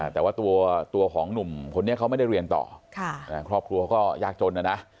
แต่ว่าตัวของหนุ่มคนนี้เขาไม่ได้เรียนต่อครอบครัวเขาก็ยากจนนะนะ